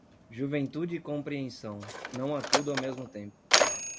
Juventude e compreensão, não há tudo ao mesmo tempo.